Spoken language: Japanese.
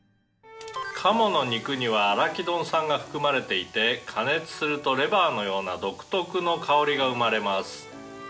「鴨の肉にはアラキドン酸が含まれていて加熱するとレバーのような独特の香りが生まれます」